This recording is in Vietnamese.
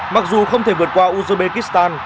mặc dù không thể vượt qua uzbekistan